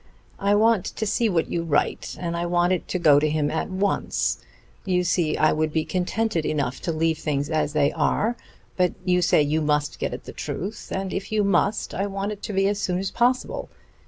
I want to see what you write, and I want it to go to him at once. You see, I would be contented enough to leave things as they are; but you say you must get at the truth, and if you must, I want it to be as soon as possible.